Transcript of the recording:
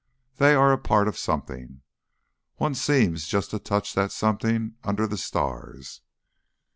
They are a part of something. One seems just to touch that something under the stars...."